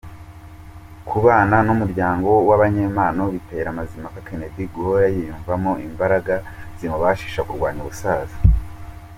Kubana n’umuryango w’abanyempano, bitera Mazimpaka Kennedy guhora yiyumvamo imbaraga zimubashisha kurwanya ubusaza.